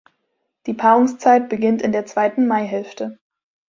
Die Paarungszeit beginnt in der zweiten Maihälfte.